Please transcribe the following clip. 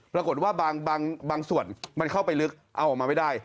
ปรากฏว่าบางส่วนมันเข้าไปลึกเอาออกมาไม่ได้